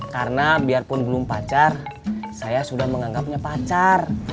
karena biarpun belum pacar saya sudah menganggapnya pacar